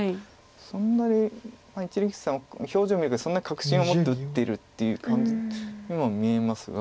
そんなに一力さんの表情見るとそんなに確信を持って打ってるという感じにも見えますが。